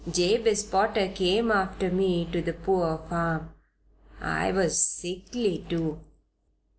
Jabez Potter came after me to the poor farm. I was sickly, too.